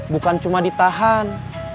bukan cuma ditahan